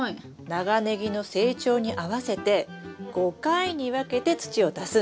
長ネギの成長に合わせて５回に分けて土を足すんです。